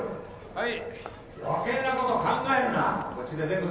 はい。